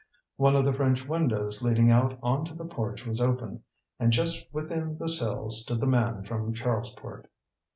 One of the French windows leading out on to the porch was open, and just within the sill stood the man from Charlesport.